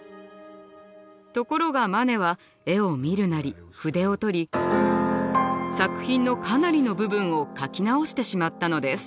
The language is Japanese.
ところがマネは絵を見るなり筆をとり作品のかなりの部分を描き直してしまったのです。